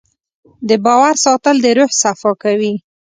د باور ساتل د روح صفا کوي.